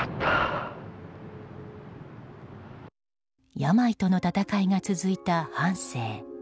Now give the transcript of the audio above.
病との闘いが続いた半生。